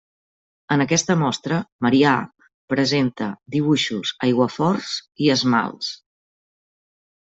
En aquesta mostra Marià presentà dibuixos, aiguaforts i esmalts.